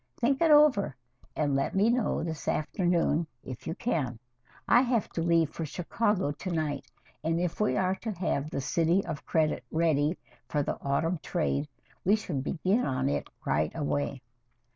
Think it over, and let me know this afternoon if you can. I have to leave for Chicago to night, and if we are to have 'The City of Credit' ready for the autumn trade, we should begin work on it right away."